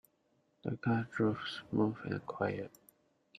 The car drove smooth and quiet.